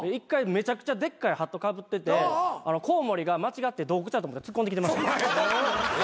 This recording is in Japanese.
めちゃくちゃでっかいハットかぶっててコウモリが間違って洞窟やと思って突っ込んできてました。